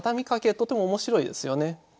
とても面白いですよね。